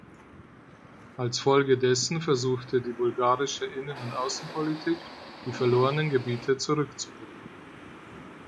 Als Folge dessen versuchte die bulgarische Innen- und Außenpolitik die verlorenen Gebiete zurückzugewinnen.